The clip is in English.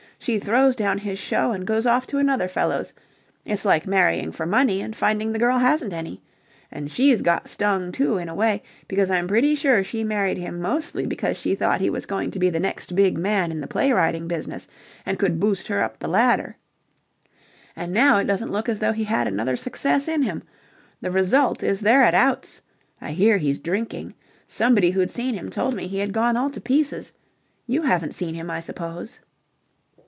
She throws down his show and goes off to another fellow's. It's like marrying for money and finding the girl hasn't any. And she's got stung, too, in a way, because I'm pretty sure she married him mostly because she thought he was going to be the next big man in the play writing business and could boost her up the ladder. And now it doesn't look as though he had another success in him. The result is they're at outs. I hear he's drinking. Somebody who'd seen him told me he had gone all to pieces. You haven't seen him, I suppose?"